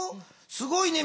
すごいね。